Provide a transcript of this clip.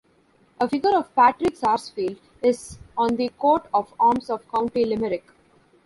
A figure of Patrick Sarsfield is on the coat of arms of County Limerick.